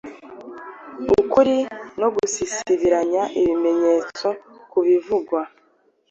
ukuri no gusisibiranya ibimenyetso ku bivugwa